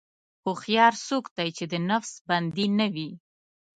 هوښیار څوک دی چې د نفس بندي نه وي.